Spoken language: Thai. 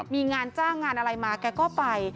มีงานจ้างงานอะไรมาแกก็ไป